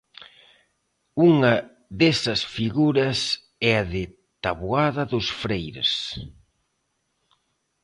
Unha desas figuras é a de Taboada dos Freires.